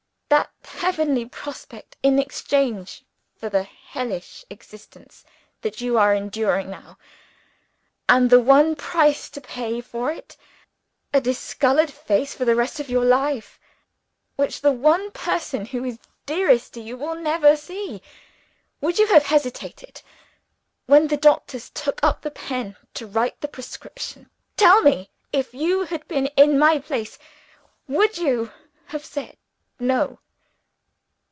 That heavenly prospect in exchange for the hellish existence that you are enduring now. And the one price to pay for it, a discolored face for the rest of your life which the one person who is dearest to you will never see? Would you have hesitated? When the doctor took up the pen to write the prescription tell me, if you had been in my place, would you have said, No?"